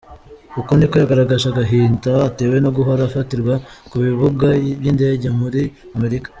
Uku niko yagaragaje agahinda atewe no guhora afatirwa ku bibuga by'indege muri Amerika.